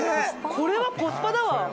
これはコスパだわ。